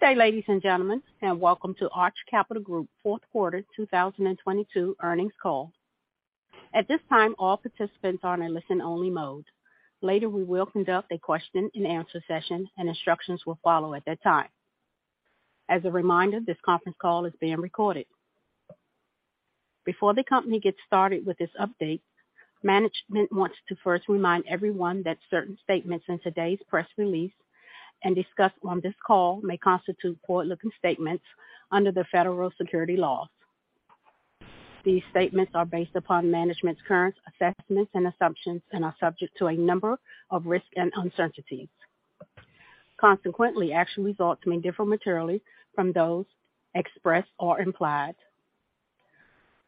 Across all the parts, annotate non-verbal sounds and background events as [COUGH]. Good day, ladies and gentlemen. Welcome to Arch Capital Group Fourth Quarter 2022 Earnings Call. At this time, all participants are in listen only mode. Later, we will conduct a question-and-answer session, instructions will follow at that time. As a reminder, this conference call is being recorded. Before the company gets started with this update, management wants to first remind everyone that certain statements in today's press release and discussed on this call may constitute forward-looking statements under the federal securities laws. These statements are based upon management's current assessments and assumptions and are subject to a number of risks and uncertainties. Consequently, actual results may differ materially from those expressed or implied.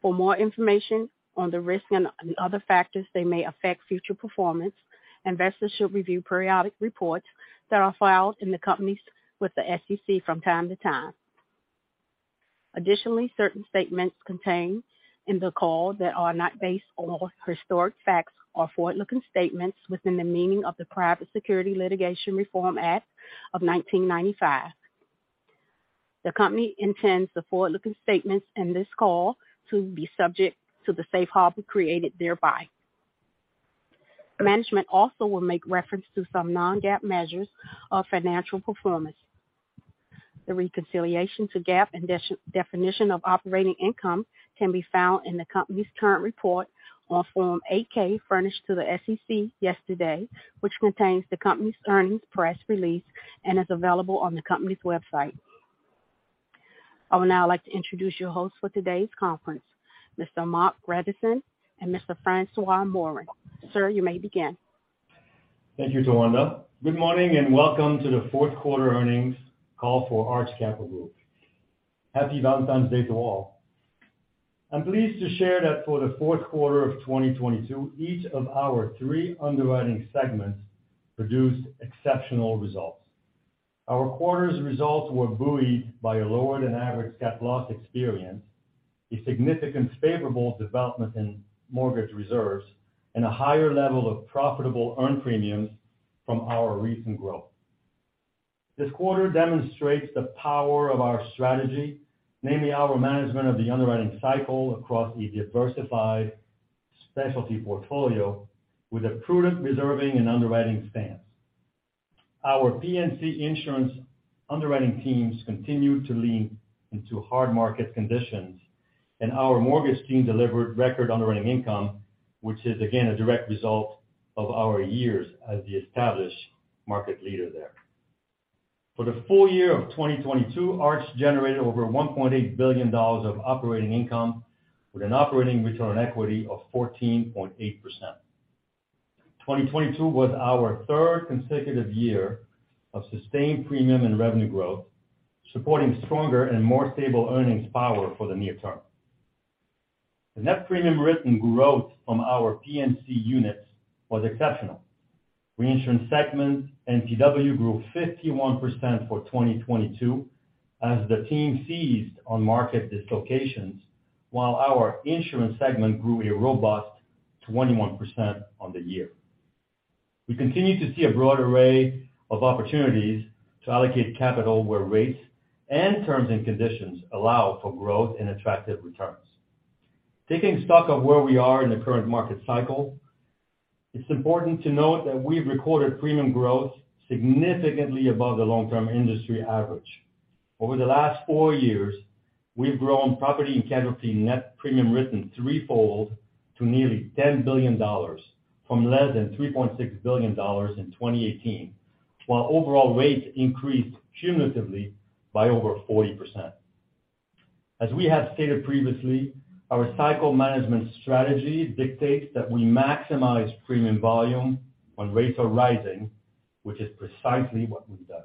For more information on the risks and other factors that may affect future performance, investors should review periodic reports that are filed in the companies with the SEC from time to time. Certain statements contained in the call that are not based on historic facts are forward-looking statements within the meaning of the Private Securities Litigation Reform Act of 1995. The company intends the forward-looking statements in this call to be subject to the safe harbor created thereby. Management also will make reference to some non-GAAP measures of financial performance. The reconciliation to GAAP and definition of operating income can be found in the company's current report on Form 8-K furnished to the SEC yesterday, which contains the company's earnings press release and is available on the company's website. I would now like to introduce your host for today's conference, Mr. Marc Grandisson and Mr. François Morin. Sir, you may begin. Thank you, Towanda. Good morning and welcome to the fourth quarter earnings call for Arch Capital Group. Happy Valentine's Day to all. I'm pleased to share that for the fourth quarter of 2022, each of our three underwriting segments produced exceptional results. Our quarter's results were buoyed by a lower-than-average cat loss experience, a significant favorable development in mortgage reserves, and a higher level of profitable earned premiums from our recent growth. This quarter demonstrates the power of our strategy, namely our management of the underwriting cycle across a diversified specialty portfolio with a prudent reserving and underwriting stance. Our P&C insurance underwriting teams continued to lean into hard market conditions, and our mortgage team delivered record underwriting income, which is again a direct result of our years as the established market leader there. For the full year of 2022, Arch generated over $1.8 billion of operating income with an operating return on equity of 14.8%. 2022 was our third consecutive year of sustained premium and revenue growth, supporting stronger and more stable earnings power for the near term. The net premium written growth from our P&C units was exceptional. Reinsurance segments NPW grew 51% for 2022 as the team seized on market dislocations while our insurance segment grew a robust 21% on the year. We continue to see a broad array of opportunities to allocate capital where rates and terms and conditions allow for growth and attractive returns. Taking stock of where we are in the current market cycle, it's important to note that we've recorded premium growth significantly above the long-term industry average. Over the last four years, we've grown property and casualty net premium written threefold to nearly $10 billion from less than $3.6 billion in 2018, while overall rates increased cumulatively by over 40%. As we have stated previously, our cycle management strategy dictates that we maximize premium volume when rates are rising, which is precisely what we've done.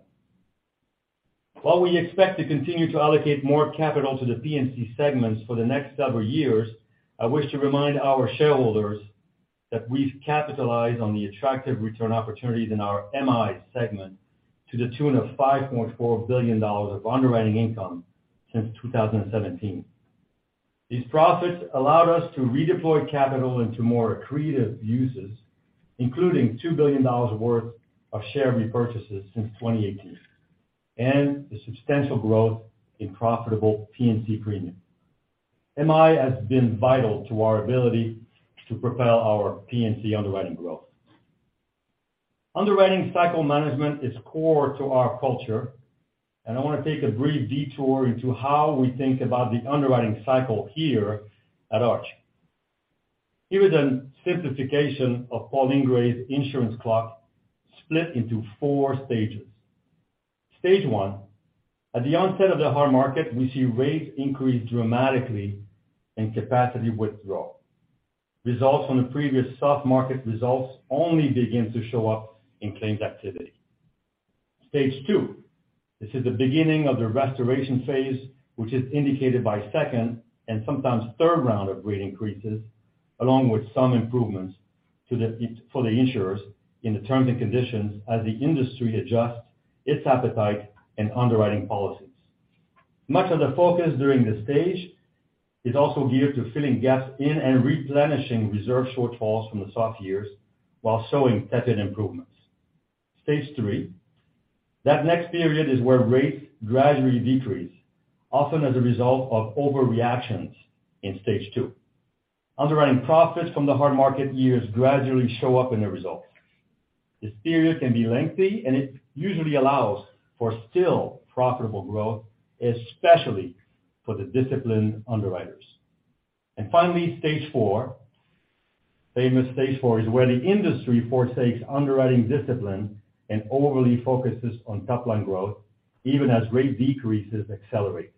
While we expect to continue to allocate more capital to the P&C segments for the next several years, I wish to remind our shareholders that we've capitalized on the attractive return opportunities in our MI segment to the tune of $5.4 billion of underwriting income since 2017. These profits allowed us to redeploy capital into more accretive uses, including $2 billion worth of share repurchases since 2018, and the substantial growth in profitable P&C premium. MI has been vital to our ability to propel our P&C underwriting growth. Underwriting cycle management is core to our culture. I want to take a brief detour into how we think about the underwriting cycle here at Arch. Here is a simplification of Paul Ingrey's insurance clock split into four stages. Stage one, at the onset of the hard market, we see rates increase dramatically and capacity withdraw. Results from the previous soft market results only begin to show up in claims activity. Stage two. This is the beginning of the restoration phase, which is indicated by second and sometimes third round of rate increases, along with some improvements for the insurers in the terms and conditions as the industry adjusts its appetite and underwriting policies. Much of the focus during this stage is also geared to filling gaps in and replenishing reserve shortfalls from the soft years while showing tepid improvements. Stage three, that next period is where rates gradually decrease, often as a result of overreactions in stage two. Underwriting profits from the hard market years gradually show up in the results. This period can be lengthy. It usually allows for still profitable growth, especially for the disciplined underwriters. Finally, stage four. Famous stage four is where the industry forsakes underwriting discipline and overly focuses on top line growth even as rate decreases accelerate.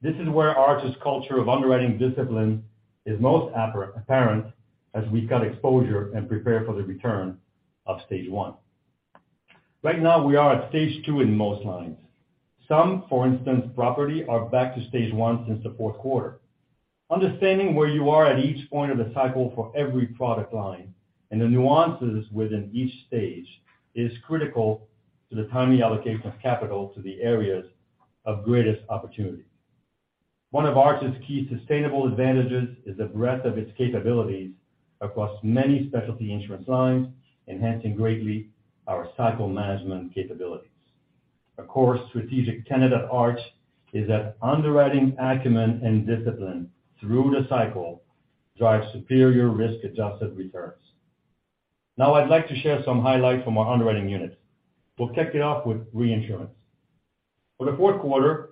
This is where Arch's culture of underwriting discipline is most apparent as we cut exposure and prepare for the return of stage one. Right now, we are at stage two in most lines. Some, for instance, property, are back to stage one since the fourth quarter. Understanding where you are at each point of the cycle for every product line and the nuances within each stage is critical to the timely allocation of capital to the areas of greatest opportunity. One of Arch's key sustainable advantages is the breadth of its capabilities across many specialty insurance lines, enhancing greatly our cycle management capabilities. Strategic tenet at Arch is that underwriting acumen and discipline through the cycle drives superior risk-adjusted returns. I'd like to share some highlights from our underwriting units. We'll kick it off with reinsurance. For the fourth quarter,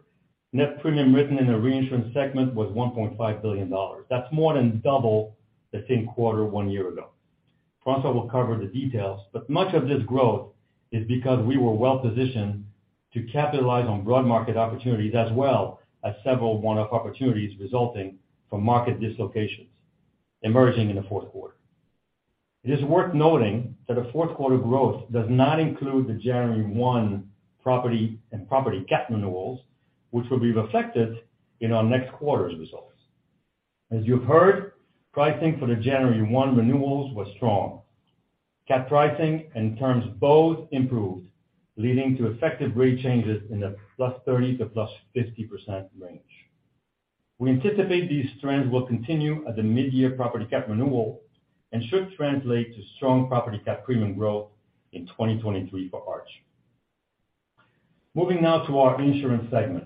Net Premiums Written in the reinsurance segment was $1.5 billion. That's more than double the same quarter one year ago. François will cover the details, much of this growth is because we were well-positioned to capitalize on broad market opportunities as well as several one-off opportunities resulting from market dislocations emerging in the fourth quarter. It is worth noting that the fourth quarter growth does not include the January one property and property Cat renewals, which will be reflected in our next quarter's results. As you've heard, pricing for the January one renewals was strong. Cat pricing and terms both improved, leading to effective rate changes in the plus 30% to plus 50% range. We anticipate these trends will continue at the mid-year property Cat renewal and should translate to strong property Cat premium growth in 2023 for Arch. Moving now to our insurance segment,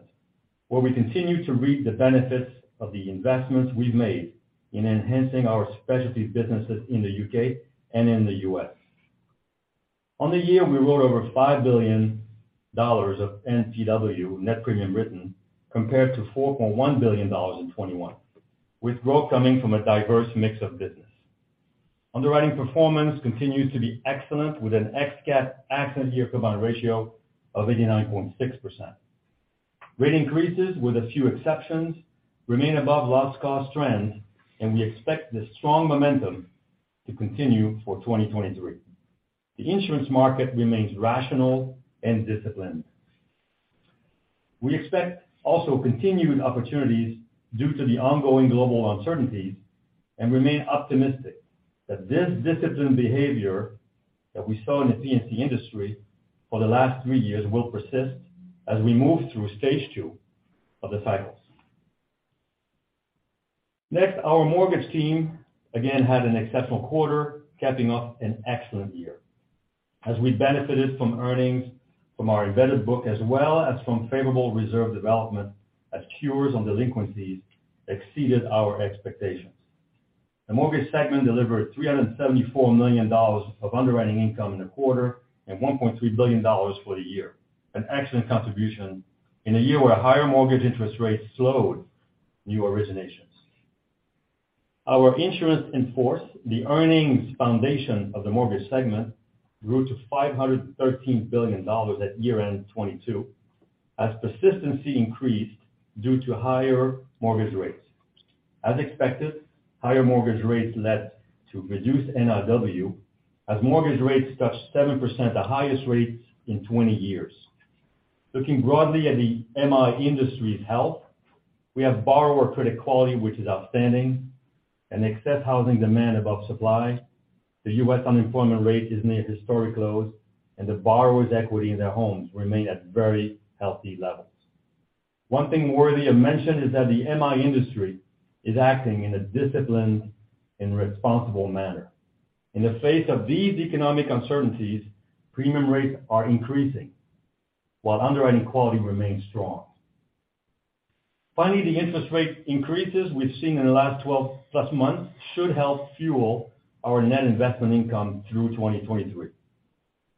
where we continue to reap the benefits of the investments we've made in enhancing our specialty businesses in the UK and in the US. On the year, we wrote over $5 billion of NPW, net premium written, compared to $4.1 billion in 2021, with growth coming from a diverse mix of business. Underwriting performance continued to be excellent with an ex-CAT accident year combined ratio of 89.6%. Rate increases with a few exceptions remain above loss cost trends. We expect this strong momentum to continue for 2023. The insurance market remains rational and disciplined. We expect also continued opportunities due to the ongoing global uncertainties and remain optimistic that this disciplined behavior that we saw in the P&C industry for the last three years will persist as we move through stage two of the cycles. Next, our mortgage team again had an exceptional quarter, capping off an excellent year as we benefited from earnings from our embedded book as well as from favorable reserve development as cures on delinquencies exceeded our expectations. The mortgage segment delivered $374 million of underwriting income in the quarter and $1.3 billion for the year, an excellent contribution in a year where higher mortgage interest rates slowed new originations. Our insurance in force, the earnings foundation of the mortgage segment, grew to $513 billion at year-end 2022 as persistency increased due to higher mortgage rates. As expected, higher mortgage rates led to reduced NIW as mortgage rates touched 7%, the highest rates in 20 years. Looking broadly at the MI industry's health, we have borrower credit quality which is outstanding and excess housing demand above supply. The U.S. unemployment rate is near historic lows and the borrower's equity in their homes remain at very healthy levels. One thing worthy of mention is that the MI industry is acting in a disciplined and responsible manner. In the face of these economic uncertainties, premium rates are increasing while underwriting quality remains strong. Finally, the interest rate increases we've seen in the last 12 months plus should help fuel our net investment income through 2023.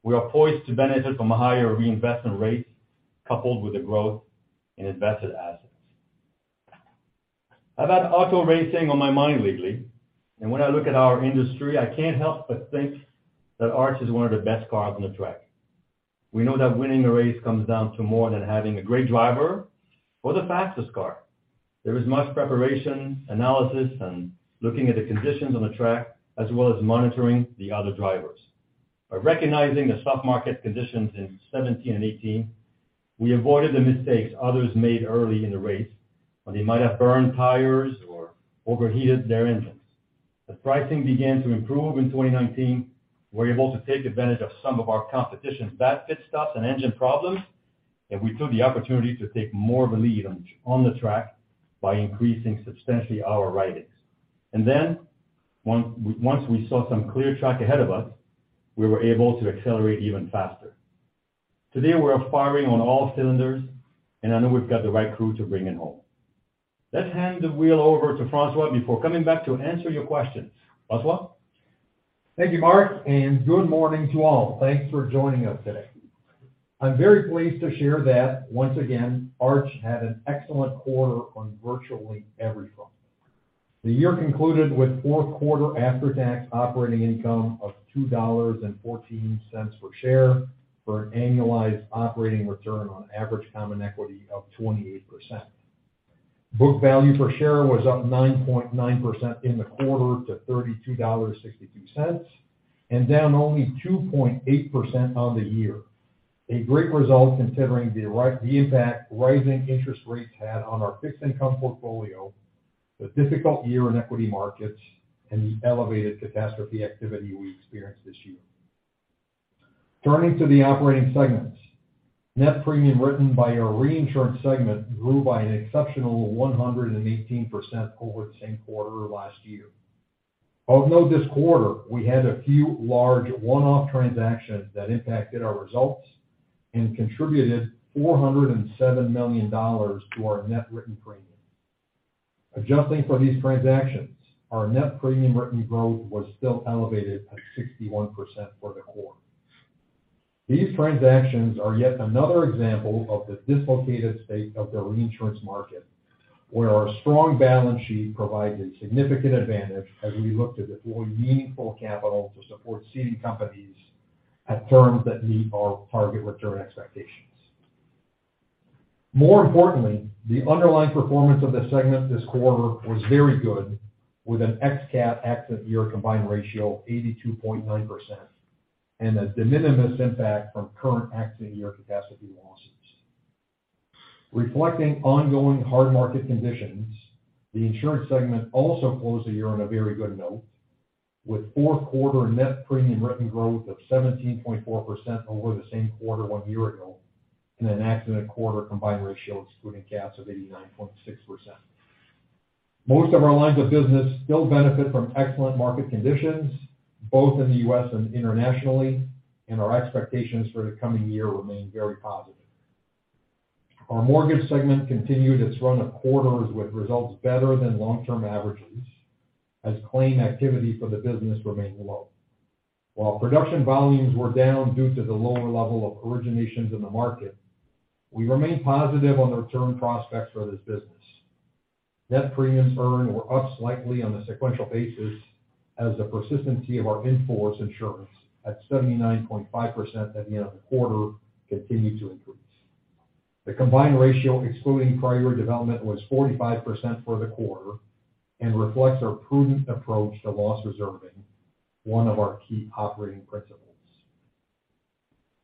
We are poised to benefit from a higher reinvestment rate coupled with the growth in invested assets. I've had auto racing on my mind lately, and when I look at our industry, I can't help but think that Arch is one of the best cars on the track. We know that winning the race comes down to more than having a great driver or the fastest car. There is much preparation, analysis, and looking at the conditions on the track, as well as monitoring the other drivers. By recognizing the soft market conditions in 2017 and 2018, we avoided the mistakes others made early in the race when they might have burned tires or overheated their engines. Pricing began to improve in 2019, we were able to take advantage of some of our competition's bad pit stops and engine problems, and we took the opportunity to take more of a lead on the track by increasing substantially our writings. Then once we saw some clear track ahead of us, we were able to accelerate even faster. Today, we're firing on all cylinders, and I know we've got the right crew to bring it home. Let's hand the wheel over to François before coming back to answer your questions. François? Thank you, Marc, and good morning to all. Thanks for joining us today. I'm very pleased to share that once again, Arch had an excellent quarter on virtually every front. The year concluded with fourth quarter after-tax operating income of $2.14 per share for an annualized operating return on average common equity of 28%. Book value per share was up 9.9% in the quarter to $32.62, and down only 2.8% on the year. A great result considering the impact rising interest rates had on our fixed income portfolio, the difficult year in equity markets, and the elevated catastrophe activity we experienced this year. Turning to the operating segments. Net premium written by our reinsurance segment grew by an exceptional 118% over the same quarter last year. Although this quarter, we had a few large one-off transactions that impacted our results and contributed $407 million to our net written premium. Adjusting for these transactions, our net premium written growth was still elevated at 61% for the quarter. These transactions are yet another example of the dislocated state of the reinsurance market, where our strong balance sheet provided significant advantage as we looked to deploy meaningful capital to support ceding companies at firms that meet our target return expectations. More importantly, the underlying performance of this segment this quarter was very good with an ex-CAT accident year combined ratio of 82.9%, and a de minimis impact from current accident year catastrophe losses. Reflecting ongoing hard market conditions, the insurance segment also closed the year on a very good note with fourth quarter net premium written growth of 17.4% over the same quarter one year ago, and an accident quarter combined ratio excluding CAT of 89.6%. Most of our lines of business still benefit from excellent market conditions, both in the US and internationally, and our expectations for the coming year remain very positive. Our mortgage segment continued its run of quarters with results better than long-term averages as claim activity for the business remained low. While production volumes were down due to the lower level of originations in the market, we remain positive on the return prospects for this business. Net premiums earned were up slightly on a sequential basis as the persistency of our insurance in force at 79.5% at the end of the quarter continued to increase. The combined ratio excluding prior year development was 45% for the quarter and reflects our prudent approach to loss reserving, one of our key operating principles.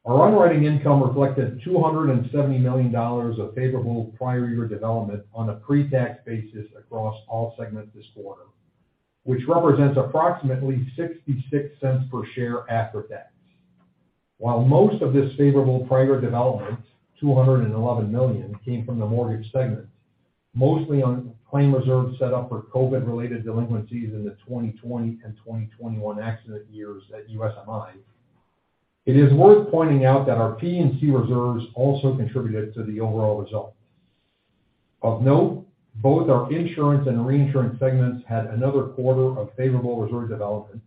Our underwriting income reflected $270 million of favorable prior year development on a pre-tax basis across all segments this quarter, which represents approximately $0.66 per share after tax. While most of this favorable prior development, $211 million, came from the mortgage segment, mostly on claim reserves set up for COVID-related delinquencies in the 2020 and 2021 accident years at USMI. It is worth pointing out that our P&C reserves also contributed to the overall result. Of note, both our insurance and reinsurance segments had another quarter of favorable reserve development,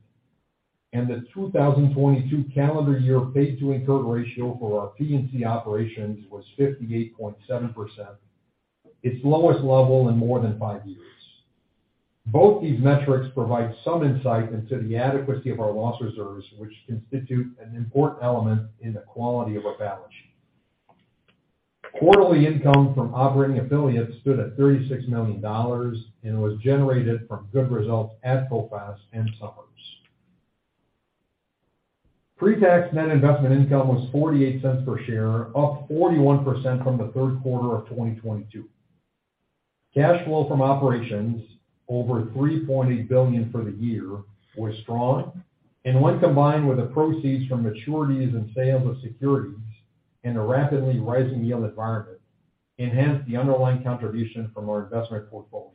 and the 2022 calendar year paid to incurred ratio for our P&C operations was 58.7%, its lowest level in more than five years. Both these metrics provide some insight into the adequacy of our loss reserves, which constitute an important element in the quality of our balance sheet. Quarterly income from operating affiliates stood at $36 million and was generated from good results at Coface SA and Somers. Pre-tax net investment income was $0.48 per share, up 41% from the third quarter of 2022. Cash flow from operations over $3.8 billion for the year was strong and when combined with the proceeds from maturities and sales of securities in a rapidly rising yield environment enhanced the underlying contribution from our investment portfolio.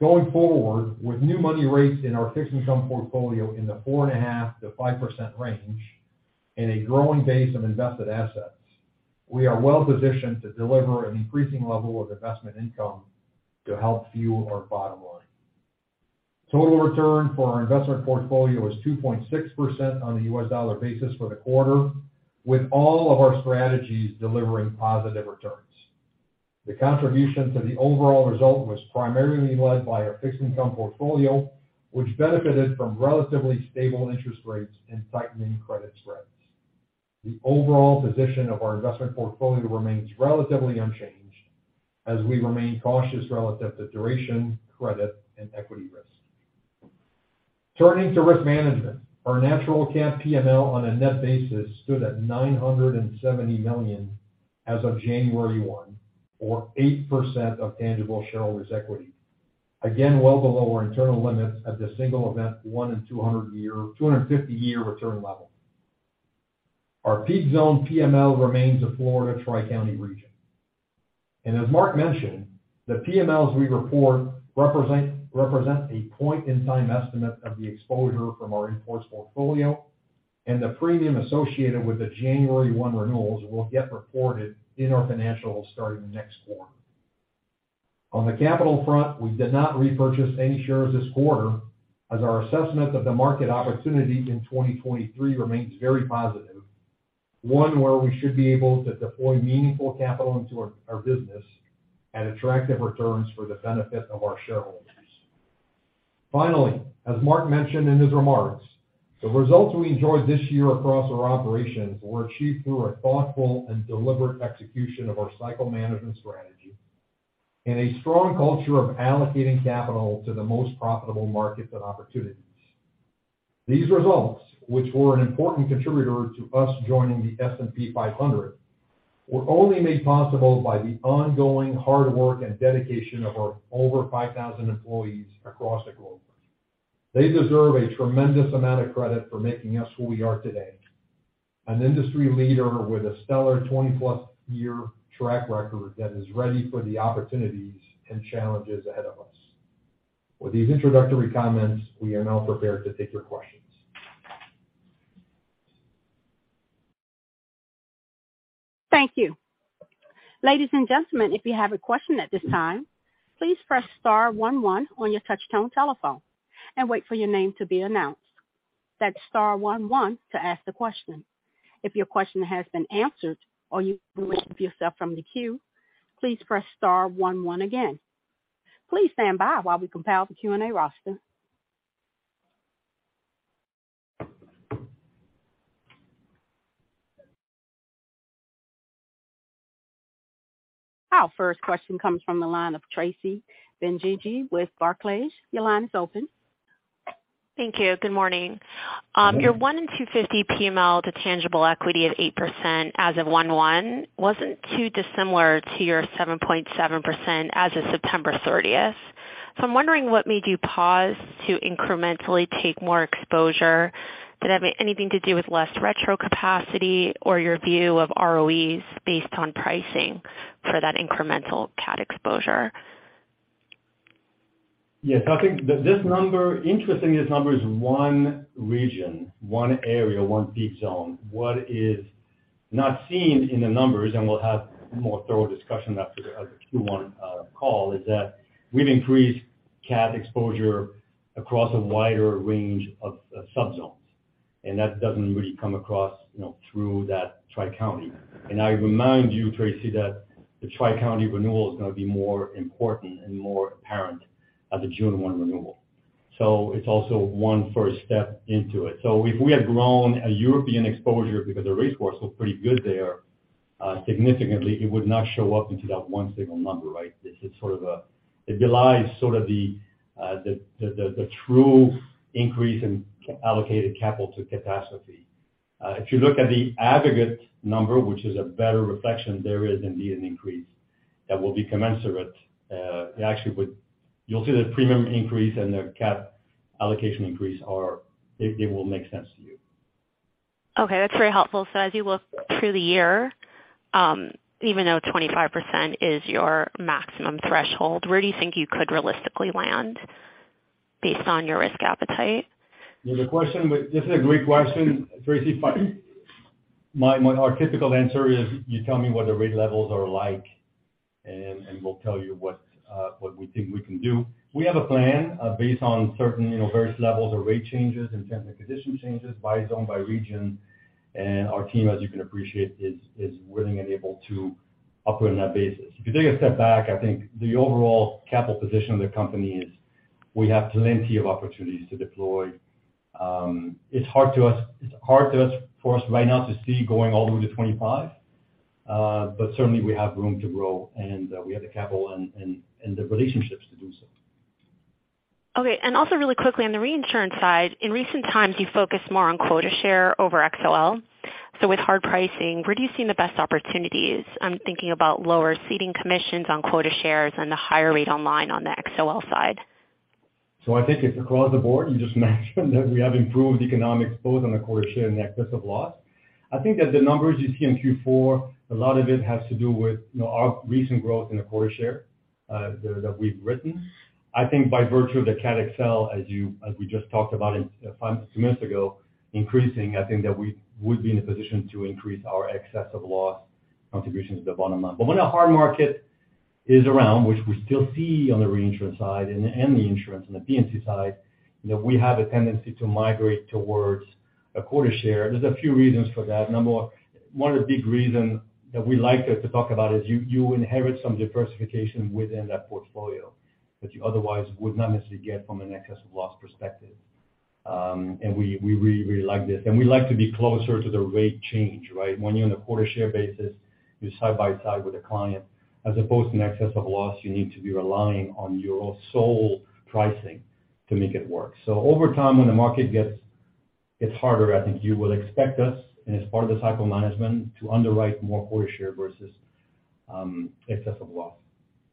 Going forward, with new money rates in our fixed income portfolio in the 4.5% to 5% range and a growing base of invested assets, we are well-positioned to deliver an increasing level of investment income to help fuel our bottom line. Total return for our investment portfolio was 2.6% on the US dollar basis for the quarter, with all of our strategies delivering positive returns. The contribution to the overall result was primarily led by our fixed income portfolio, which benefited from relatively stable interest rates and tightening credit spreads. The overall position of our investment portfolio remains relatively unchanged as we remain cautious relative to duration, credit, and equity risk. Turning to risk management, our natural cat PML on a net basis stood at $970 million as of 1 January 2022, or 8% of tangible shareholders' equity. Again, well below our internal limits at the single event one in 250-year return level. Our peak zone PML remains a Florida Tri-County region. As Mark mentioned, the PMLs we report represent a point in time estimate of the exposure from our in-force portfolio and the premium associated with the 1 January 2022 renewals will get reported in our financials starting next quarter. On the capital front, we did not repurchase any shares this quarter as our assessment of the market opportunity in 2023 remains very positive, one where we should be able to deploy meaningful capital into our business at attractive returns for the benefit of our shareholders. Finally, as Marc mentioned in his remarks, the results we enjoyed this year across our operations were achieved through a thoughtful and deliberate execution of our cycle management strategy and a strong culture of allocating capital to the most profitable markets and opportunities. These results, which were an important contributor to us joining the S&P 500, were only made possible by the ongoing hard work and dedication of our over 5,000 employees across the globe. They deserve a tremendous amount of credit for making us who we are today, an industry leader with a stellar 20-plus year track record that is ready for the opportunities and challenges ahead of us. With these introductory comments, we are now prepared to take your questions. Thank you. Ladies and gentlemen, if you have a question at this time, please press star one, one on your touchtone telephone and wait for your name to be announced. That's star one, one to ask the question. If your question has been answered or you wish to remove yourself from the queue, please press star one, one again. Please stand by while we compile the Q&A roster. Our first question comes from the line of Tracy Benguigui with Barclays. Your line is open. Thank you. Good morning. your one in 250 PML to tangible equity at 8% as of 1 January 2022 wasn't too dissimilar to your 7.7% as of 30 September 2021. I'm wondering what made you pause to incrementally take more exposure that have anything to do with less retro capacity or your view of ROEs based on pricing for that incremental cat exposure? I think this number, interesting, this number is one region, one area, one peak zone. What is not seen in the numbers, and we'll have more thorough discussion after the first quarter call, is that we've increased cat exposure across a wider range of subzones, and that doesn't really come across, you know, through that Tri-County. I remind you, Tracy, that the Tri-County renewal is going to be more important and more apparent at the June 1 renewal. It's also one first step into it. If we had grown a European exposure because the re force was pretty good there, significantly, it would not show up into that one single number, right? It belies sort of the true increase in allocated capital to catastrophe. If you look at the aggregate number, which is a better reflection, there is indeed an increase that will be commensurate. You'll see the premium increase and the cap allocation increase are, it will make sense to you. Okay, that's very helpful. As you look through the year, even though 25% is your maximum threshold, where do you think you could realistically land based on your risk appetite? This is a great question, Tracy. Our typical answer is you tell me what the rate levels are like and we'll tell you what we think we can do. We have a plan, based on certain, you know, various levels of rate changes and terms and condition changes by zone, by region. Our team, as you can appreciate, is willing and able to operate on that basis. If you take a step back, I think the overall capital position of the company is we have plenty of opportunities to deploy. It's hard for us right now to see going all the way to 25%. Certainly we have room to grow, and we have the capital and the relationships to do so. Okay. Also really quickly on the reinsurance side, in recent times, you focus more on quota share over XOL. With hard pricing, where do you see the best opportunities? I'm thinking about lower ceding commissions on quota shares and the higher rate on line on the XOL side. I think it's across the board. You just mentioned that we have improved economics both on the quota share and excess of loss. I think that the numbers you see in fourth quarter, a lot of it has to do with, you know, our recent growth in the quota share that we've written. I think by virtue of the Cat XL, as we just talked about in two months ago, increasing, I think that we would be in a position to increase our excess of loss contributions at the bottom line. When a hard market is around, which we still see on the reinsurance side and the insurance and the P&C side, you know, we have a tendency to migrate towards a quota share. There's a few reasons for that. Number one of the big reason that we like to talk about is you inherit some diversification within that portfolio that you otherwise would not necessarily get from an excess of loss perspective. We really like this. We like to be closer to the rate change, right? When you're on a quota share basis. You're side by side with a client as opposed to an excess of loss, you need to be relying on your sole pricing to make it work. Over time, when the market gets harder, I think you will expect us, and as part of the cycle management, to underwrite more quota share versus excess of loss...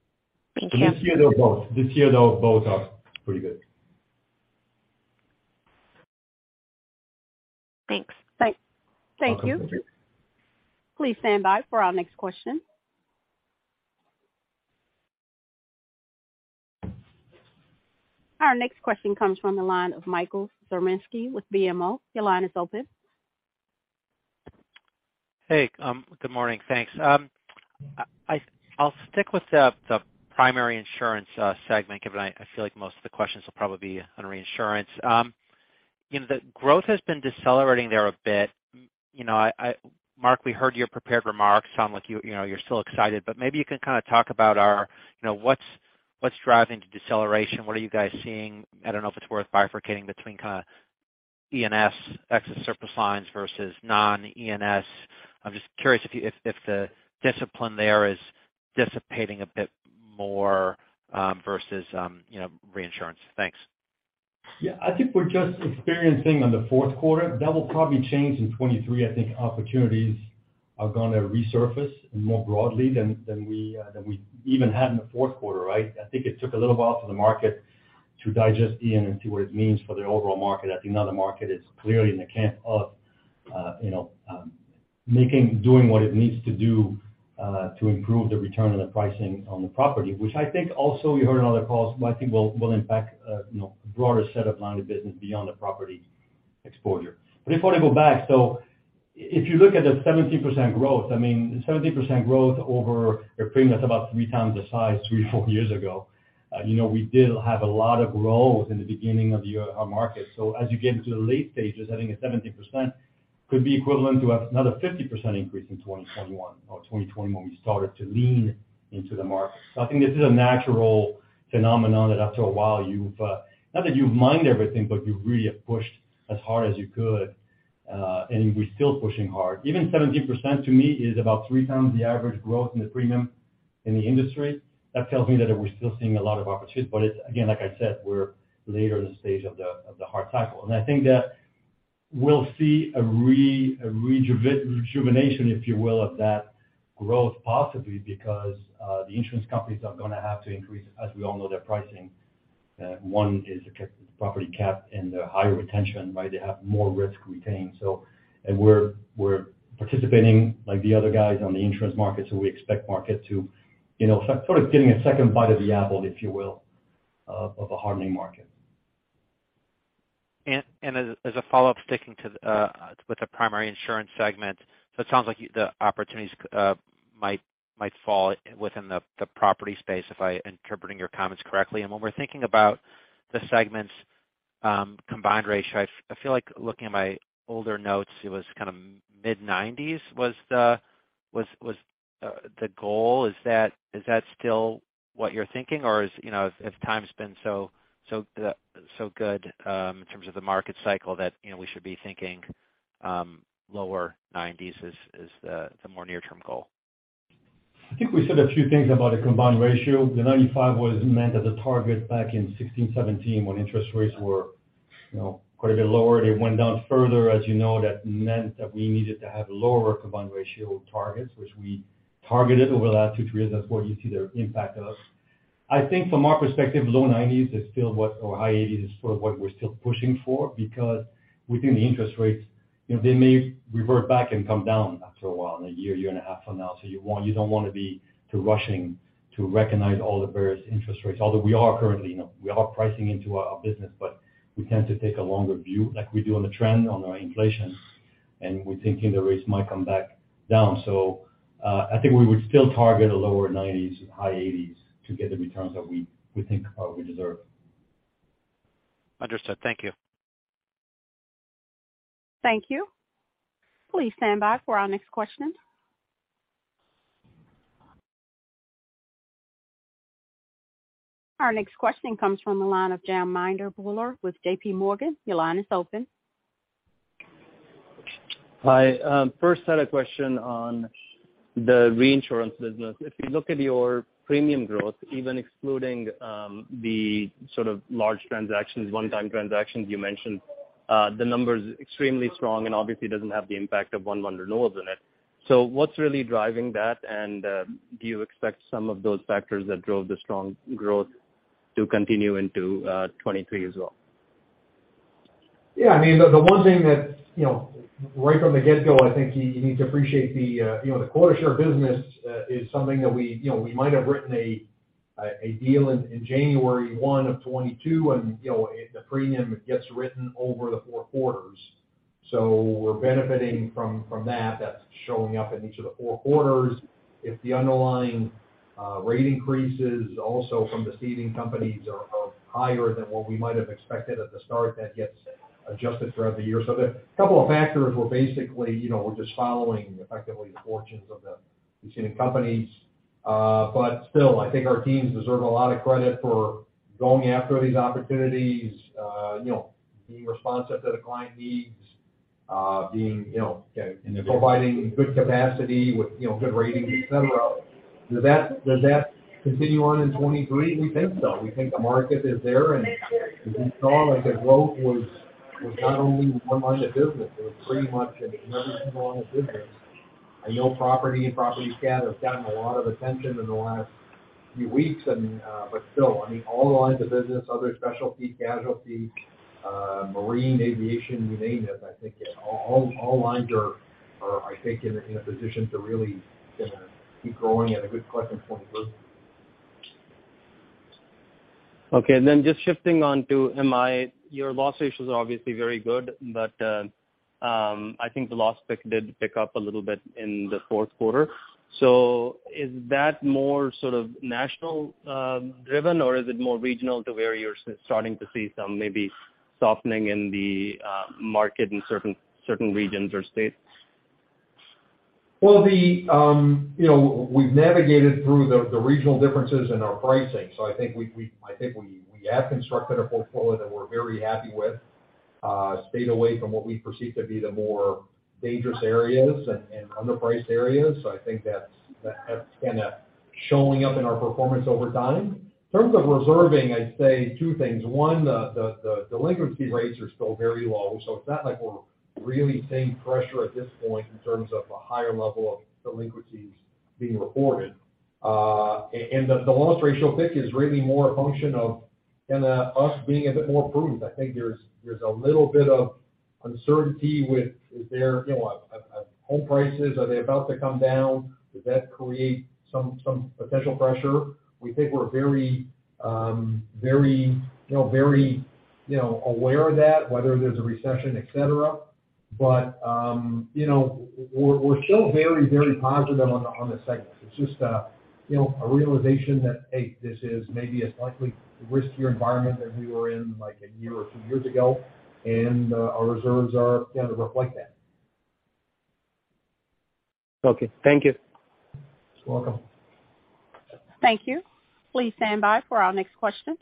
[CROSSTALK] Thank you. This year, they're both. This year, they both are pretty good. Thanks. Uh-huh. Thank you. Thank you. Please stand by for our next question. Our next question comes from the line of Michael Zaremski with BMO. Your line is open. Hey, good morning. Thanks. I'll stick with the primary insurance segment, given I feel like most of the questions will probably be on reinsurance. You know, the growth has been decelerating there a bit. You know, Mark, we heard your prepared remarks sound like you know, you're still excited, but maybe you can kind of talk about our, you know, what's driving the deceleration? What are you guys seeing? I don't know if it's worth bifurcating between kind of E&S excess surplus lines versus non-E&S. I'm just curious if you, if the discipline there is dissipating a bit more versus, you know, reinsurance. Thanks. I think we're just experiencing on the fourth quarter. That will probably change in 2023. I think opportunities are gonna resurface more broadly than we even had in the fourth quarter, right? I think it took a little while for the market to digest in and see what it means for the overall market. I think now the market is clearly in the camp of, you know, making, doing what it needs to do, to improve the return on the pricing on the property, which I think also you heard on other calls, but I think will impact, you know, broader set of line of business beyond the property exposure. Before I go back, if you look at the 17% growth, I mean, 17% growth over a premium that's about 3x the size three, four years ago, you know, we did have a lot of growth in the beginning of our market. As you get into the late stages, I think a 17% could be equivalent to another 50% increase in 2021 or 2020 when we started to lean into the market. I think this is a natural phenomenon that after a while you've, not that you've mined everything, but you really have pushed as hard as you could, and we're still pushing hard. Even 17% to me is about 3x the average growth in the premium in the industry. That tells me that we're still seeing a lot of opportunities. It's again, like I said, we're later in the stage of the, of the hard cycle. I think that we'll see a rejuvenation, if you will, of that growth, possibly because the insurance companies are gonna have to increase, as we all know, their pricing. One is the property cap and the higher retention, right? They have more risk retained. We're participating like the other guys on the insurance market. We expect market to, you know, sort of getting a second bite of the apple, if you will, of a hardening market. As a follow-up, sticking to the with the primary insurance segment, it sounds like the opportunities might fall within the property space, if I'm interpreting your comments correctly. When we're thinking about the segment's combined ratio, I feel like looking at my older notes, it was kind of mid-90% was the goal. Is that still what you're thinking? Is, you know, if time's been so good in terms of the market cycle that, you know, we should be thinking lower 90% as the more near-term goal? I think we said a few things about the combined ratio. The 95% was meant as a target back in 2016, 2017 when interest rates were, you know, quite a bit lower. They went down further. As you know, that meant that we needed to have lower combined ratio targets, which we targeted over the last two, three years. That's why you see the impact of. I think from our perspective, low 90s is still what or high 80% is sort of what we're still pushing for because within the interest rates, you know, they may revert back and come down after a while in a year, a year and a half from now. You don't wanna be too rushing to recognize all the various interest rates. Although we are currently, you know, we are pricing into our business, but we tend to take a longer view like we do on the trend on our inflation, and we're thinking the rates might come back down. I think we would still target a lower 90%, high 80% to get the returns that we think we deserve. Understood. Thank you. Thank you. Please stand by for our next question. Our next question comes from the line of Jamminder Bhullar with JPMorgan. Your line is open. Hi. First had a question on the reinsurance business. If you look at your premium growth, even excluding the sort of large transactions, one-time transactions you mentioned, the numbers extremely strong and obviously doesn't have the impact of 1 month renewals in it. What's really driving that? Do you expect some of those factors that drove the strong growth to continue into 2023 as well? Yeah. I mean, the one thing that, you know, right from the get-go, I think you need to appreciate the, you know, the quota share business is something that we, you know, we might have written a deal in 1 January 2022 and, you know, the premium gets written over the four quarters. We're benefiting from that. That's showing up in each of the four quarters. If the underlying rate increases also from the ceding companies are higher than what we might have expected at the start, that gets adjusted throughout the year. The couple of factors were basically, you know, we're just following effectively the fortunes of the ceding companies. Still, I think our teams deserve a lot of credit for going after these opportunities, you know, being responsive to the client needs, being, you know, providing good capacity with, you know, good ratings, et cetera. Does that continue on in 2023? We think so. We think the market is there, and as we saw, like, the growth was not only one line of business, it was pretty much in every line of business. I know property and property scan have gotten a lot of attention in the last few weeks. Still, I mean, all lines of business, other specialty, casualty, marine, aviation, you name it, I think all lines are, I think in a position to really gonna keep growing at a good clip in 2023. Just shifting on to MI. Your loss ratios are obviously very good, but I think the loss pick did pick up a little bit in the fourth quarter. Is that more sort of national driven or is it more regional to where you're starting to see some maybe softening in the market in certain regions or states? The, you know, we've navigated through the regional differences in our pricing. I think we have constructed a portfolio that we're very happy with, stayed away from what we perceive to be the more dangerous areas and underpriced areas. I think that's kinda showing up in our performance over time. In terms of reserving, I'd say two things. One, the delinquency rates are still very low, so it's not like we're really seeing pressure at this point in terms of a higher level of delinquencies being reported. The loss ratio pick is really more a function of kinda us being a bit more prudent. I think there's a little bit of uncertainty with is there, you know, home prices, are they about to come down? Does that create some potential pressure? We think we're very, you know, aware of that, whether there's a recession, et cetera. You know, we're still very positive on the segment. It's just a, you know, a realization that, hey, this is maybe a slightly riskier environment than we were in, like, a year or two years ago, and our reserves are gonna reflect that. Okay, thank you. You're welcome. Thank you. Please stand by for our next question.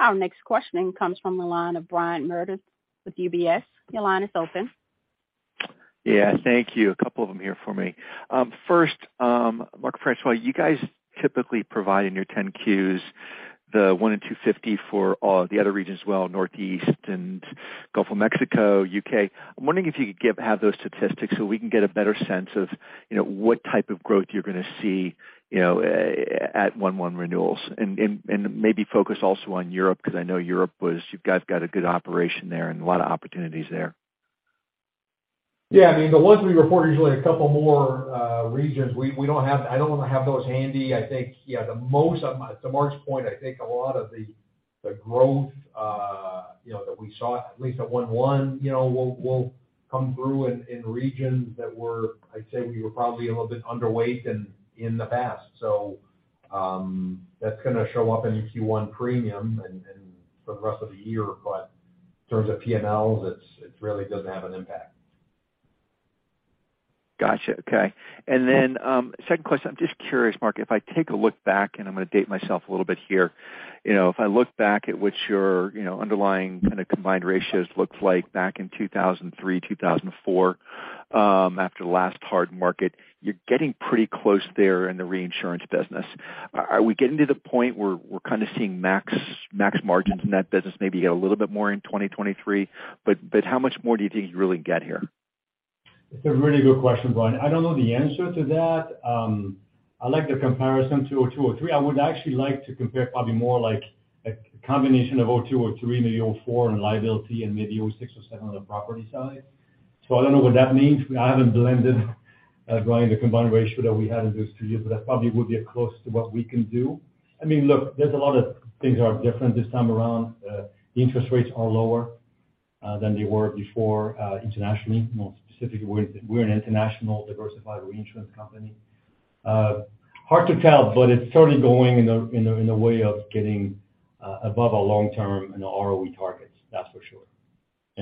Our next questioning comes from the line of Brian Meredith with UBS. Your line is open. Yeah, thank you. A couple of them here for me. First, Mark François, you guys typically provide in your 10-quarters, the one in 250 for all the other regions as well, Northeast and Gulf of Mexico, UK. I'm wondering if you could have those statistics so we can get a better sense of, you know, what type of growth you're gonna see, you know, at 1 January 2022 renewals. Maybe focus also on Europe, because I know Europe was. You guys got a good operation there and a lot of opportunities there. Yeah. I mean, the ones we report usually a couple more regions. I don't have those handy. I think, yeah, to Marc's point, I think a lot of the growth, you know, that we saw at least at one-one, you know, will come through in regions that were, I'd say we were probably a little bit underweight in the past. That's gonna show up in the first quarter premium and for the rest of the year. In terms of P&Ls, it really doesn't have an impact. Gotcha. Okay. Second question. I'm just curious, Mark, if I take a look back, and I'm gonna date myself a little bit here. You know, if I look back at what your, you know, underlying kind of combined ratios looked like back in 2003, 2004, after the last hard market, you're getting pretty close there in the reinsurance business. Are we getting to the point where we're kind of seeing max margins in that business? Maybe you get a little bit more in 2023, but how much more do you think you really get here? It's a really good question, Brian. I don't know the answer to that. I like the comparison to 2002 or 2003. I would actually like to compare probably more like a combination of 2002 or 2003, maybe 2004 in liability and maybe 2006 or 2007 on the property side. I don't know what that means. I haven't blended going the combined ratio that we had in those two years, but that probably would be close to what we can do. I mean, look, there's a lot of things are different this time around. Interest rates are lower than they were before internationally. More specifically, we're an international diversified reinsurance company. Hard to tell, but it's certainly going in a way of getting above our long-term and ROE targets, that's for sure.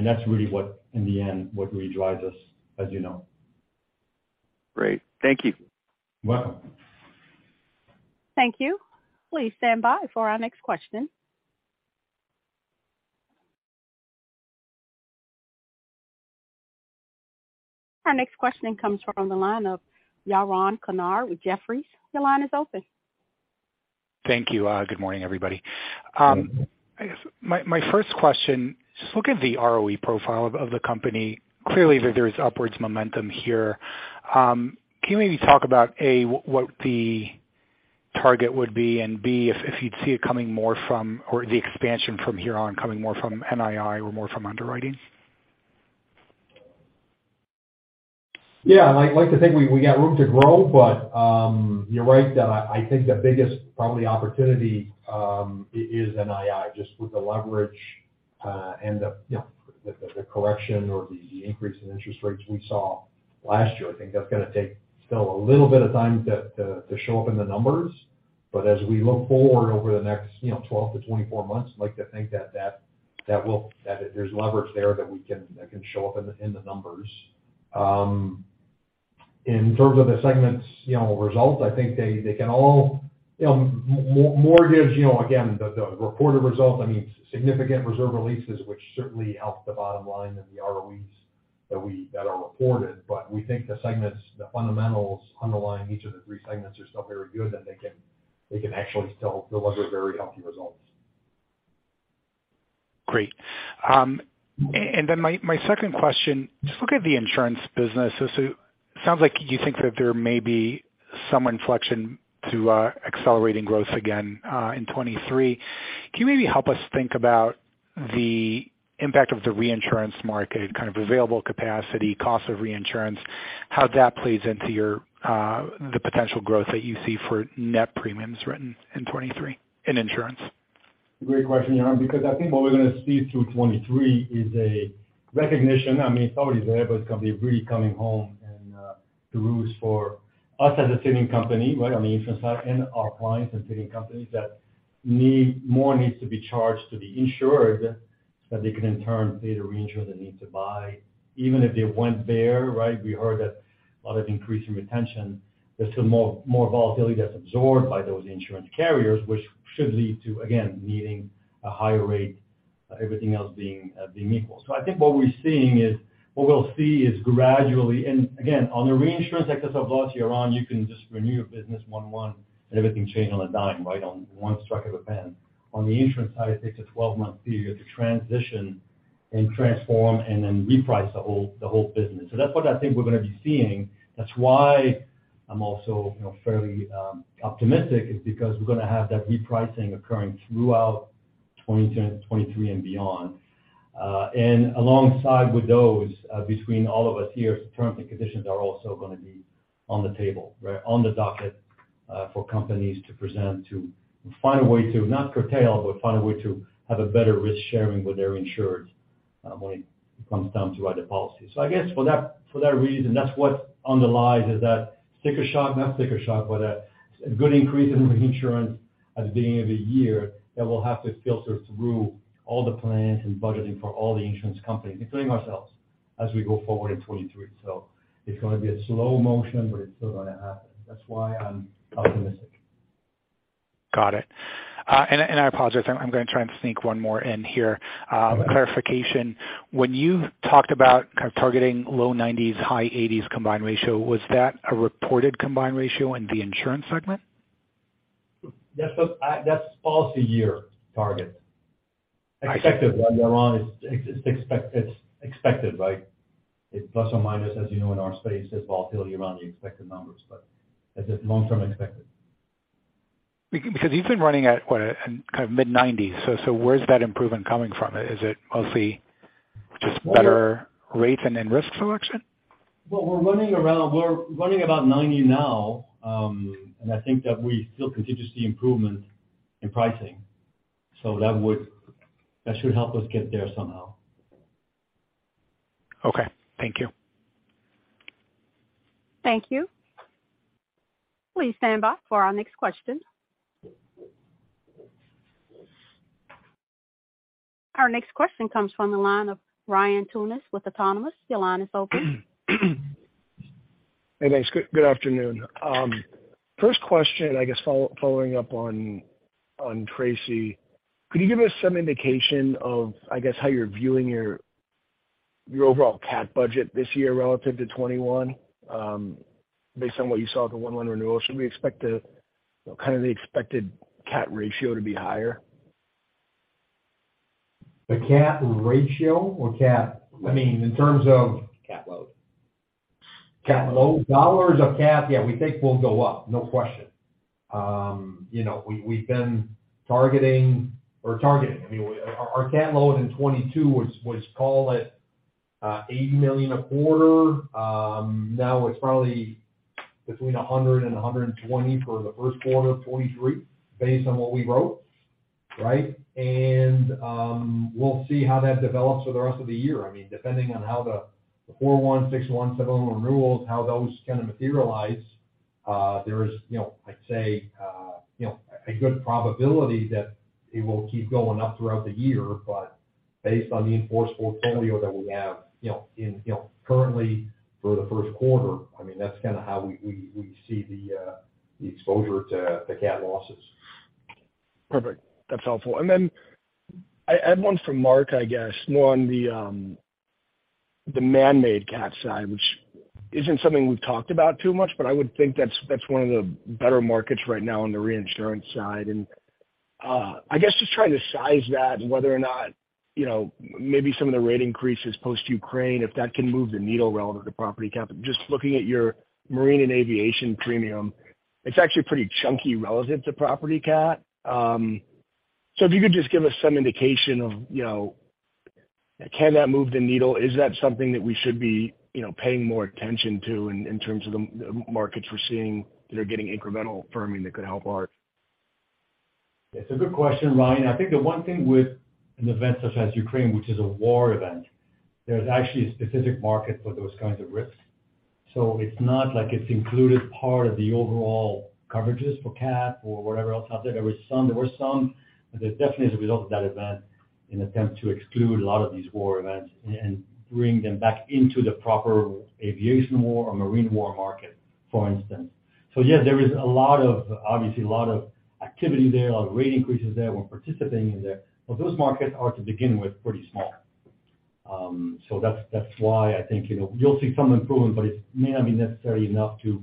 That's really what, in the end, what really drives us, as you know. Great. Thank you. You're welcome. Thank you. Please stand by for our next question. Our next questioning comes from the line of Yaron Kinar with Jefferies. Your line is open. Thank you. Good morning, everybody. I guess my first question, just look at the ROE profile of the company. Clearly, there's upwards momentum here. Can you maybe talk about, A, what the target would be, and B, if you'd see it coming more from or the expansion from here on coming more from NII or more from underwriting? I'd like to think we got room to grow, but you're right that I think the biggest probably opportunity is NII, just with the leverage, and the, you know, the correction or the increase in interest rates we saw last year. I think that's gonna take still a little bit of time to show up in the numbers. But as we look forward over the next, you know, 12 to 24 months, I'd like to think that that will that there's leverage there that we can that can show up in the numbers. In terms of the segments, you know, results, I think they can all. You know, mortgages, you know, again, the reported results, I mean, significant reserve releases, which certainly helped the bottom line and the ROEs that are reported. We think the segments, the fundamentals underlying each of the three segments are still very good, that they can actually still deliver very healthy results. Great. Then my second question, just look at the insurance business. It sounds like you think that there may be some inflection to accelerating growth again in 2023. Can you maybe help us think about the impact of the reinsurance market, kind of available capacity, cost of reinsurance, how that plays into your the potential growth that you see for net premiums written in 2023 in insurance? Great question, Yaron, because I think what we're gonna see through 2023 is a recognition, I mean, it's already there, but it's gonna be really coming home in the rules for us as a ceding company, right, on the insurance side and our clients and ceding companies that need more needs to be charged to the insured, so they can in turn pay the reinsurer they need to buy. Even if they went there, right? We heard that a lot of increase in retention, there's still more volatility that's absorbed by those insurance carriers, which should lead to, again, needing a higher rate, everything else being equal. I think what we're seeing is, what we'll see is gradually, and again, on the reinsurance excess of loss, Yaron, you can just renew your business 1 January 2022, and everything change on a dime, right? On one strike of a pen. On the insurance side, it takes a 12-month period to transition and transform and then reprice the whole, the whole business. That's what I think we're going to be seeing. That's why I'm also, you know, fairly optimistic, is because we're going to have that repricing occurring throughout 2022, 2023 and beyond. And alongside with those, between all of us here, terms and conditions are also going to be on the table, right, on the docket, for companies to present to find a way to not curtail, but find a way to have a better risk sharing with their insured, when it comes down to write the policy. I guess for that, for that reason, that's what underlies is that sticker shock, not sticker shock, but a good increase in reinsurance at the beginning of the year that will have to filter through all the plans and budgeting for all the insurance companies, including ourselves, as we go forward in 2023. It's gonna be a slow motion, but it's still gonna happen. That's why I'm optimistic. Got it. I apologize, I'm gonna try and sneak one more in here. Clarification. When you talked about kind of targeting low 90s, high 80s combined ratio, was that a reported combined ratio in the insurance segment? That's policy year target. Expected, Yaron. It's expected, right? It's plus or minus, as you know, in our space, there's volatility around the expected numbers, but that's just long term expected. Because you've been running at quite a, kind of mid-nineties. Where's that improvement coming from? Is it mostly just better rates and risk selection? Well, we're running about 90% now. I think that we still continue to see improvement in pricing. That should help us get there somehow. Okay. Thank you. Thank you. Please stand by for our next question. Our next question comes from the line of Ryan Tunis with Autonomous. Your line is open. Hey, thanks. Good afternoon. First question, I guess following up on Tracy. Could you give us some indication of, I guess, how you're viewing your overall CAT budget this year relative to 2021, based on what you saw for 1 January 2022 renewal? Should we expect kind of the expected CAT ratio to be higher? The CAT ratio or CAT? I mean, in terms of... CAT load. CAT load. Dollars of CAT, yeah, we think will go up. No question. you know, we've been targeting, or targeting, I mean, our CAT load in 2022 was, call it, $80 million a quarter. now it's probably between $100 million and $120 million for the 1st quarter of 2023 based on what we wrote, right? We'll see how that develops for the rest of the year. I mean, depending on how the 1 April 2022, 1 June 2022, 1 July 2022 renewals, how those kind of materialize, there's, you know, I'd say, you know, a good probability that it will keep going up throughout the year. Based on the in-force portfolio that we have, you know, in, you know, currently for the first quarter, I mean, that's kind of how we see the exposure to the CAT losses. Perfect. That's helpful. Then I have one for Mark, I guess, more on the man-made CAT side, which isn't something we've talked about too much, but I would think that's one of the better markets right now on the reinsurance side. I guess just trying to size that, whether or not, you know, maybe some of the rate increases post Ukraine, if that can move the needle relevant to property CAT. Just looking at your marine and aviation premium, it's actually pretty chunky relative to property CAT. If you could just give us some indication of, you know, can that move the needle? Is that something that we should be, you know, paying more attention to in terms of the markets we're seeing that are getting incremental firming that could help ARC? It's a good question, Ryan. I think the one thing with an event such as Ukraine, which is a war event, there's actually a specific market for those kinds of risks. It's not like it's included part of the overall coverages for cat or whatever else out there. There were some, but there definitely as a result of that event, an attempt to exclude a lot of these war events and bring them back into the proper aviation war or marine war market, for instance. Yes, there is a lot of obviously a lot of activity there, a lot of rate increases there. We're participating in there. Those markets are, to begin with, pretty small. That's why I think, you know, you'll see some improvement, but it may not be necessarily enough to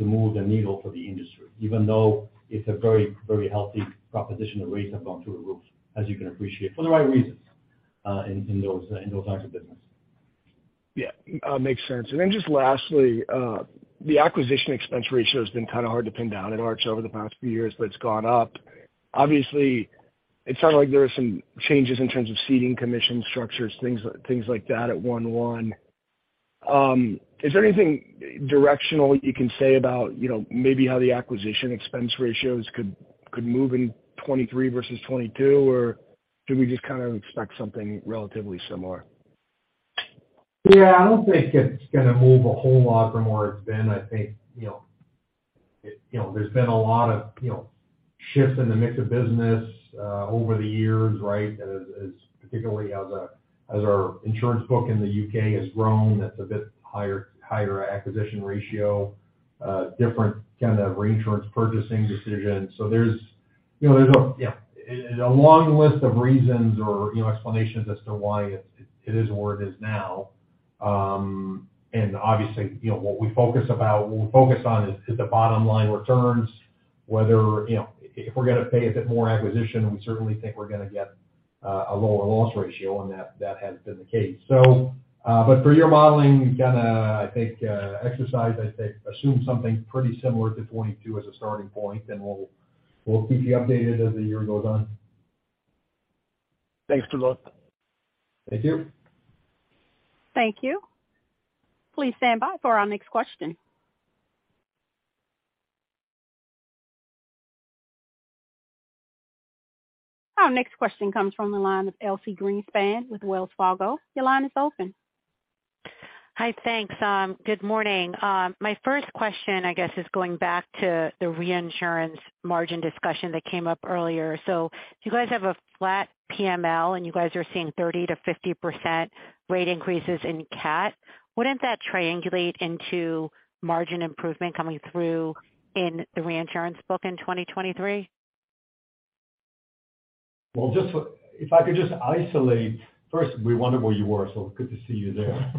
move the needle for the industry, even though it's a very, very healthy proposition. The rates have gone through the roof, as you can appreciate, for the right reasons, in those types of business. Yeah, makes sense. Just lastly, the acquisition expense ratio has been kind of hard to pin down at Arch over the past few years, but it's gone up. Obviously, it sounded like there were some changes in terms of ceding commission structures, things like that at 1 January 2022. Is there anything directional you can say about, you know, maybe how the acquisition expense ratios could move in 2023 versus 2022? Or do we just kind of expect something relatively similar? Yeah, I don't think it's gonna move a whole lot from where it's been. I think, you know, there's been a lot of, you know, shifts in the mix of business, over the years, right? As particularly as our insurance book in the UK has grown, that's a bit higher acquisition ratio, different kind of reinsurance purchasing decisions. There's, you know, there's a long list of reasons or, you know, explanations as to why it's, it is where it is now. Obviously, you know, what we focus on is the bottom-line returns, whether, you know, if we're gonna pay a bit more acquisition, we certainly think we're gonna get a lower loss ratio, and that has been the case. For your modeling kinda, I think, exercise, I think assume something pretty similar to 2022 as a starting point, and we'll keep you updated as the year goes on. Thanks a lot. Thank you. Thank you. Please stand by for our next question. Our next question comes from the line of Elyse Greenspan with Wells Fargo. Your line is open. Hi. Thanks. Good morning. My first question, I guess, is going back to the reinsurance margin discussion that came up earlier. If you guys have a flat PML and you guys are seeing 30% to 50% rate increases in cat, wouldn't that triangulate into margin improvement coming through in the reinsurance book in 2023? Well, just for If I could just isolate, first, we wondered where you were, so good to see you there.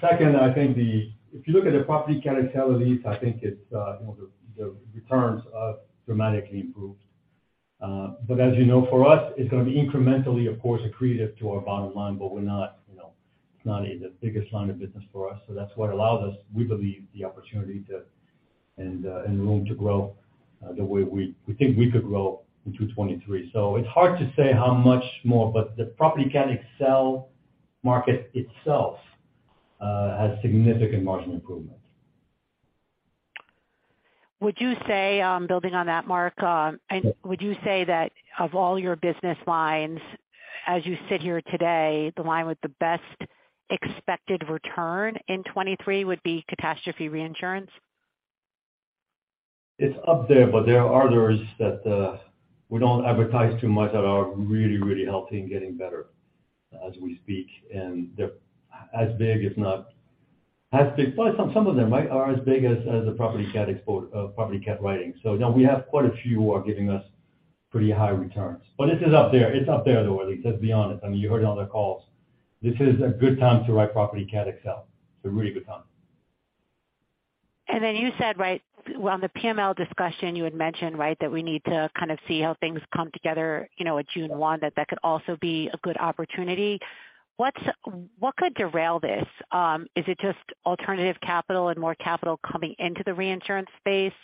Second, I think the if you look at the property Cat XL, Elyse, I think it's, you know, the returns have dramatically improved. As you know, for us, it's gonna be incrementally, of course, accretive to our bottom line, but we're not, you know, it's not the biggest line of business for us. That's what allows us, we believe the opportunity to, and room to grow, the way we think we could grow into 2023. It's hard to say how much more, but the property Cat XL market itself, has significant margin improvement. Would you say, building on that, Marc, would you say that of all your business lines as you sit here today, the line with the best expected return in 2023 would be catastrophe reinsurance? It's up there are others that we don't advertise too much that are really, really healthy and getting better as we speak, and they're as big, if not as big. Some of them might, are as big as the property cat writing. You know, we have quite a few who are giving us pretty high returns. This is up there. It's up there, though, Elyse. Let's be honest. I mean, you heard it on the calls. This is a good time to write property Cat XL. It's a really good time. You said, right, on the PML discussion, you had mentioned, right, that we need to kind of see how things come together, you know, at June one, that that could also be a good opportunity. What could derail this? Is it just alternative capital and more capital coming into the reinsurance space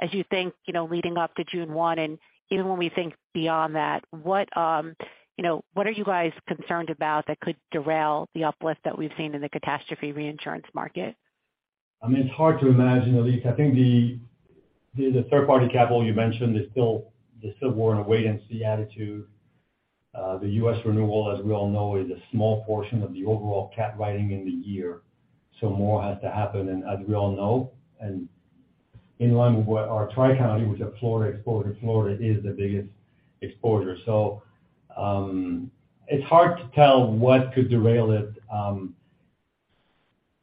as you think, you know, leading up to June one? Even when we think beyond that, what, you know, what are you guys concerned about that could derail the uplift that we've seen in the catastrophe reinsurance market? I mean, it's hard to imagine, Elyse. I think the third-party capital you mentioned they're still more in a wait-and-see attitude. The US renewal, as we all know, is a small portion of the overall cat writing in the year, so more has to happen. As we all know, and in line with what our Tri-County, which is a Florida exposure, Florida is the biggest exposure. It's hard to tell what could derail it.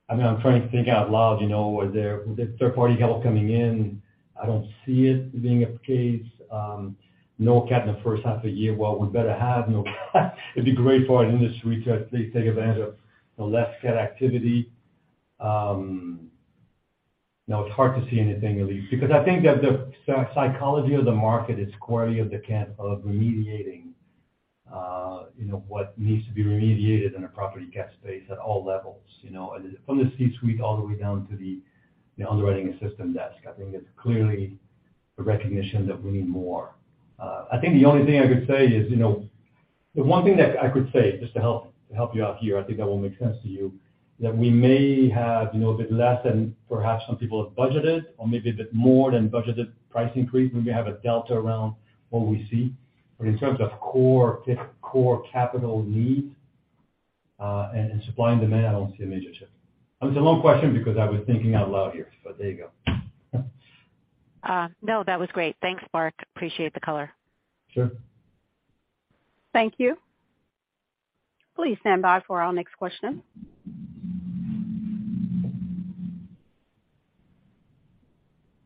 I mean, I'm trying to think out loud, you know, are there, the third-party capital coming in? I don't see it being a case. No cat in the first half of the year. Well, we better have no cat. It'd be great for our industry to at least take advantage of the less cat activity. No, it's hard to see anything, Elyse. Because I think that the psychology of the market is clearly of remediating, you know, what needs to be remediated in a property cat space at all levels, you know. From the C-suite all the way down to the underwriting assistant desk. I think it's clearly a recognition that we need more. I think the only thing I could say is, you know. The one thing that I could say just to help you out here, I think that will make sense to you, that we may have, you know, a bit less than perhaps some people have budgeted or maybe a bit more than budgeted price increase when we have a delta around what we see. In terms of core capital needs, and supply and demand, I don't see a major shift. It was a long question because I was thinking out loud here. There you go. No, that was great. Thanks, Marc. Appreciate the color. Sure. Thank you. Please stand by for our next question.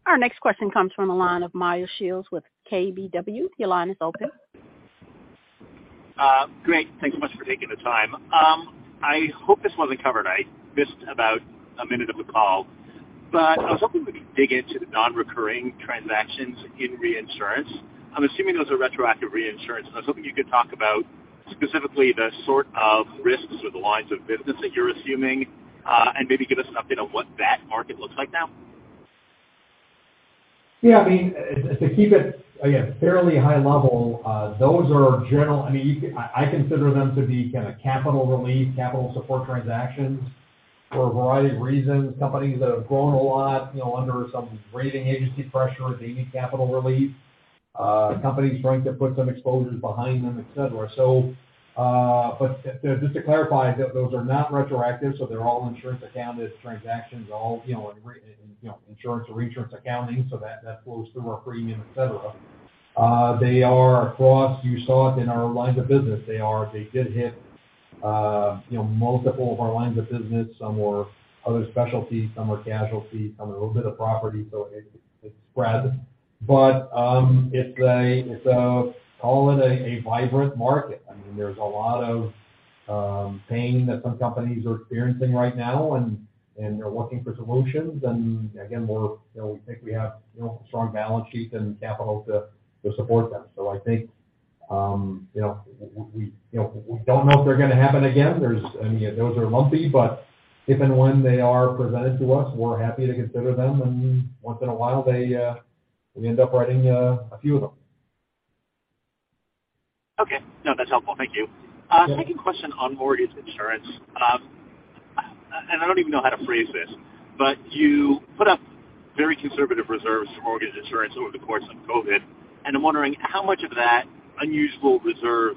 Our next question comes from the line of Meyer Shields with KBW. Your line is open. Great. Thanks so much for taking the time. I hope this wasn't covered. I missed about 1 minute of the call, but I was hoping we could dig into the non-recurring transactions in reinsurance. I'm assuming those are retroactive reinsurance. I was hoping you could talk about specifically the sort of risks or the lines of business that you're assuming, and maybe give us an update on what that market looks like now. Yeah, I mean, to keep it, again, fairly high level, those are general. I mean, I consider them to be kind of capital relief, capital support transactions for a variety of reasons. Companies that have grown a lot, you know, under some rating agency pressure, they need capital relief. Companies trying to put some exposures behind them, et cetera. But just to clarify, those are not retroactive, so they're all insurance accounted transactions, all, you know, insurance or reinsurance accounting, so that flows through our premium, et cetera. They are across. You saw it in our lines of business. They did hit, you know, multiple of our lines of business. Some were other specialties, some were casualty, some a little bit of property. It spread. It's a, call it a vibrant market. I mean, there's a lot of pain that some companies are experiencing right now and they're looking for solutions. Again, we're, you know, we think we have, you know, strong balance sheets and capital to support them. I think, you know, we, you know, we don't know if they're gonna happen again. There's, I mean, those are lumpy, but if and when they are presented to us, we're happy to consider them. Once in a while they, we end up writing a few of them. Okay. No, that's helpful. Thank you... [CROSSTALK] Yeah. Second question on mortgage insurance. I don't even know how to phrase this, but you put up very conservative reserves for mortgage insurance over the course of COVID, and I'm wondering how much of that unusual reserve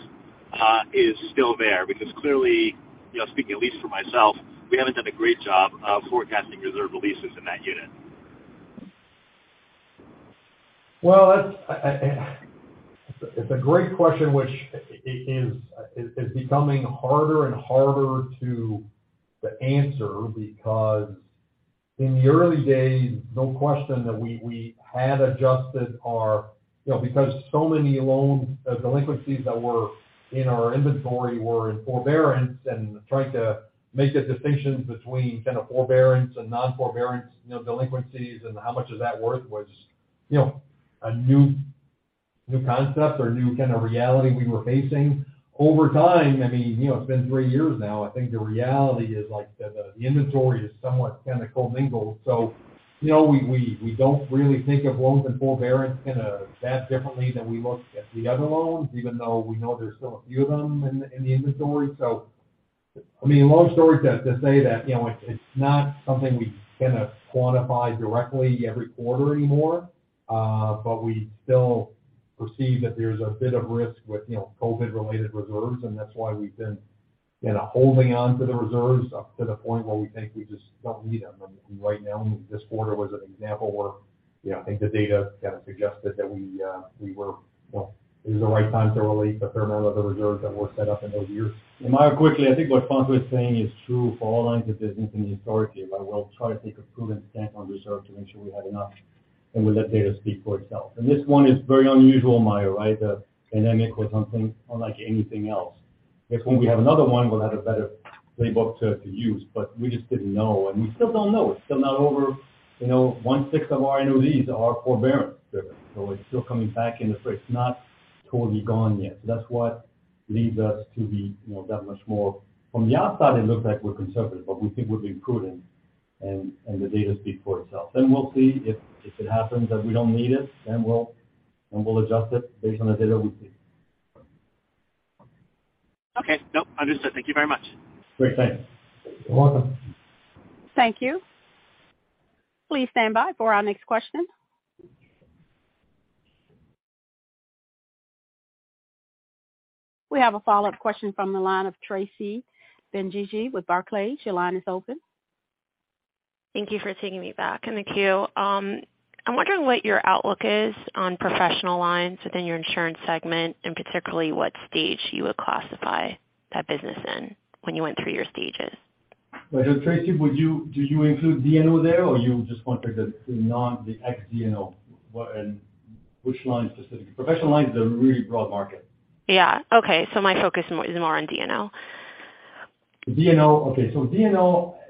is still there, because clearly, you know, speaking at least for myself, we haven't done a great job of forecasting reserve releases in that unit. Well, that's a great question, which is becoming harder and harder to answer because in the early days, no question that we had adjusted our. You know, because so many loans, delinquencies that were in our inventory were in forbearance and trying to make the distinctions between kind of forbearance and non-forbearance, you know, delinquencies and how much is that worth was, you know, a new concept or new kind of reality we were facing. Over time, I mean, you know, it's been three years now. I think the reality is like the inventory is somewhat kind of co-mingled. You know, we don't really think of loans and forbearance kind of that differently than we look at the other loans, even though we know there's still a few of them in the inventory. I mean, long story to say that, you know, it's not something we kind of quantify directly every quarter anymore, but we still perceive that there's a bit of risk with, you know, COVID-related reserves, and that's why we've been, you know, holding on to the reserves up to the point where we think we just don't need them. Right now, this quarter was an example where, you know, I think the data kind of suggested that we were, you know, it was the right time to release a fair amount of the reserves that were set up in those years. Meyer, quickly, I think what Franco is saying is true for all lines of business in the authority, but we'll try to take a prudent stand on reserve to make sure we have enough, and we'll let data speak for itself. This one is very unusual, Meyer, right? A pandemic or something unlike anything else. Next time we have another one, we'll have a better playbook to use. But we just didn't know, and we still don't know. It's still not over. You know, one-sixth of our NOD are forbearance different, so it's still coming back in. It's not totally gone yet. That's what leads us to be, you know, that much more. From the outside, it looks like we're conservative, but we think we're being prudent, and the data speak for itself. We'll see if it happens that we don't need it, then we'll adjust it based on the data we see. Okay. Nope, understood. Thank you very much. Great. Thanks. You're welcome. Thank you. Please stand by for our next question. We have a follow-up question from the line of Tracy Benguigui with Barclays. Your line is open. Thank you for taking me back in the queue. I'm wondering what your outlook is on professional lines within your insurance segment, particularly what stage you would classify that business in when you went through your stages? Tracy, do you include D&O there, or you just want the non, the ex D&O? What and which line specific? Professional lines is a really broad market. Yeah. Okay. My focus is more in D&O. D&O. Okay.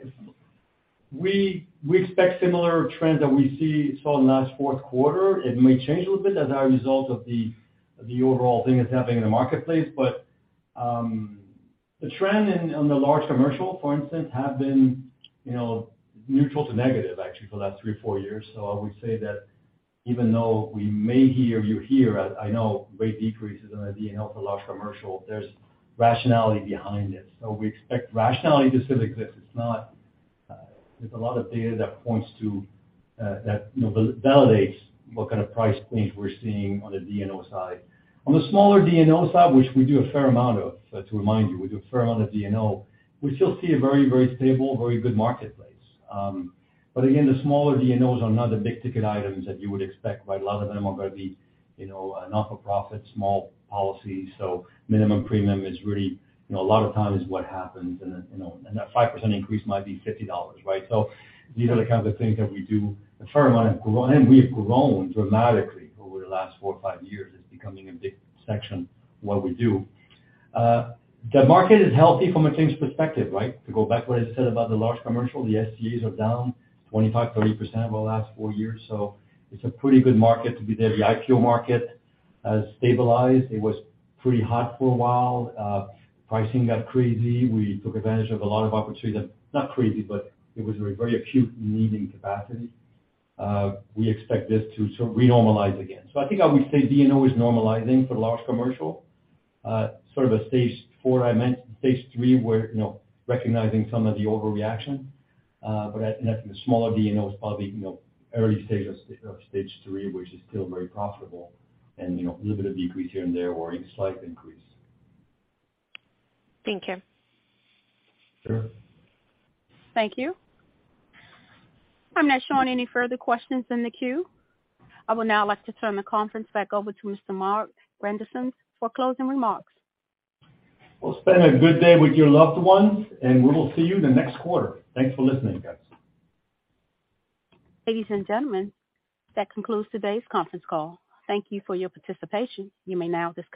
D&O, we expect similar trends that we saw in the last fourth quarter. It may change a little bit as a result of the overall thing that's happening in the marketplace. The trend in the large commercial, for instance, have been, you know, neutral to negative actually for the last three, four years. I would say that. Even though we may hear you hear, I know rate decreases on a D&O for large commercial, there's rationality behind it. We expect rationality to still exist. There's a lot of data that points to that, you know, validates what kind of price points we're seeing on the D&O side. On the smaller D&O side, which we do a fair amount of, to remind you, we do a fair amount of D&O. We still see a very stable, very good marketplace. Again, the smaller D&Os are not the big-ticket items that you would expect, right? A lot of them are gonna be, you know, a not-for-profit small policy. Minimum premium is really, you know, a lot of times what happens and, you know, and that 5% increase might be $50, right? These are the kinds of things that we do a fair amount of. We have grown dramatically over the last four or five years. It's becoming a big section what we do. The market is healthy from a claims perspective, right? To go back to what I said about the large commercial, the NCEs are down 25%, 30% over the last four years. It's a pretty good market to be there. The IPO market has stabilized. It was pretty hot for a while. Pricing got crazy. We took advantage of a lot of opportunity. Not crazy, but it was very acute needing capacity. We expect this to renormalize again. I think I would say D&O is normalizing for large commercial, sort of a stage four. I meant stage three where, you know, recognizing some of the overreaction, and that's the smaller D&Os, probably, you know, early stage of stage three, which is still very profitable and, you know, a little bit of decrease here and there or a slight increase. Thank you. Sure. Thank you. I'm not showing any further questions in the queue. I would now like to turn the conference back over to Mr. Marc Grandisson for closing remarks. Well, spend a good day with your loved ones. We will see you the next quarter. Thanks for listening, guys. Ladies and gentlemen, that concludes today's conference call. Thank you for your participation. You may now disconnect.